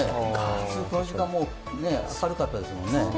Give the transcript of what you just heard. ふだんこの時間、明るかったですもんね。